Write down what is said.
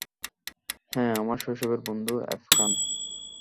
হ্যাঁ, আমার শৈশবের বন্ধু এফ খান।